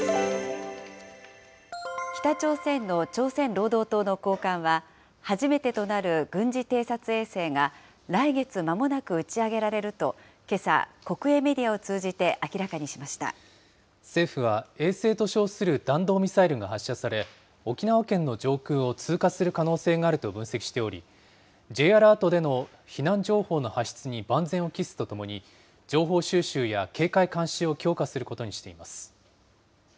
北朝鮮の朝鮮労働党の高官は、初めてとなる軍事偵察衛星が、来月まもなく打ち上げられると、けさ、国営メディアを通じて明ら政府は、衛星と称する弾道ミサイルが発射され、沖縄県の上空を通過する可能性があると分析しており、Ｊアラートでの避難情報の発出に万全を期すとともに、情報収集や警戒監視を強化することにしています。